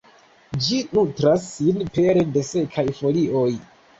Ĝi nutras sin pere de sekaj folioj.